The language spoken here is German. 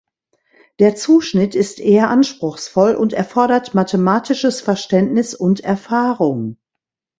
Der Zuschnitt ist eher anspruchsvoll und erfordert mathematisches Verständnis und Erfahrung.